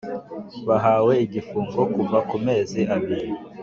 bahawe igifungo kuva ku mezi abiri